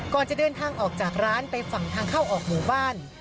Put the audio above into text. ก่อนจะเดินทางออกจากร้านไปฝั่งทางเข้าออกหมู่บ้าน